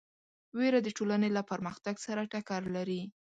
وېره د ټولنې له پرمختګ سره ټکر لري.